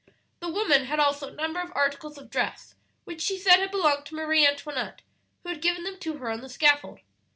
"The woman had also a number of articles of dress which she said had belonged to Marie Antoinette, who had given them to her on the scaffold.